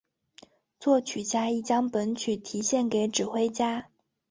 作曲家亦将本曲题献给指挥家。